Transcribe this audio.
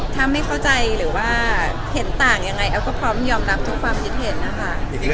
ถ้าไม่เข้าใจหรือว่าเห็นต่างยังไงแอฟก็พร้อมยอมรับทุกความคิดเห็นนะคะ